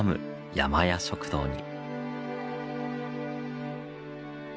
山家食堂に。